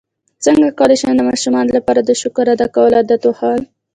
څنګه کولی شم د ماشومانو لپاره د شکر ادا کولو عادت ښوول